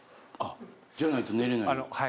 じゃないと寝れない？